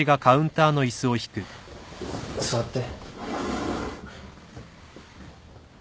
座って。